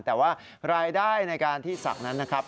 แต่ว่ารายได้ในการที่ศักดิ์นั้นนะครับ